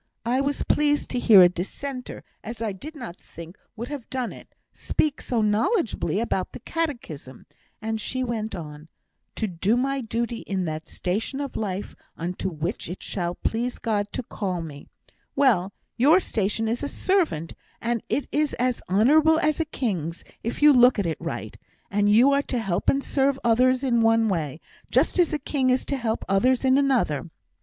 I were pleased to hear a Dissenter, as I did not think would have done it, speak so knowledgeably about the catechism, and she went on: '"to do my duty in that station of life unto which it shall please God to call me;" well, your station is a servant, and it is as honourable as a king's, if you look at it right; you are to help and serve others in one way, just as a king is to help others in another.